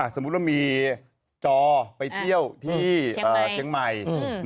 สมมุติว่ามีจอไปเที่ยวที่เชียงใหม่